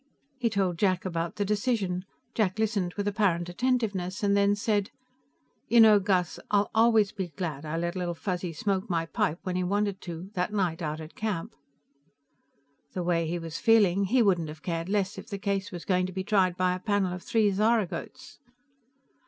He told Jack about the decision. Jack listened with apparent attentiveness, and then said: "You know, Gus, I'll always be glad I let Little Fuzzy smoke my pipe when he wanted to, that night out at camp." The way he was feeling, he wouldn't have cared less if the case was going to be tried by a panel of three zaragoats.